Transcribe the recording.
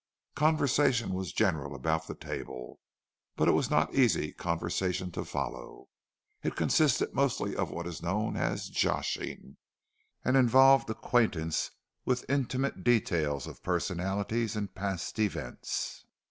Conversation was general about the table, but it was not easy conversation to follow. It consisted mostly of what is known as "joshing," and involved acquaintance with intimate details of personalities and past events.